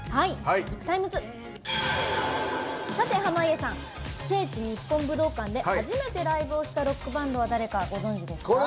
さて濱家さん聖地日本武道館で初めてライブをしたロックバンドは誰かご存じですか？